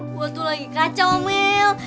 gue tuh lagi kacau omil